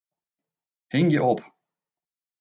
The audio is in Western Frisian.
Hingje op.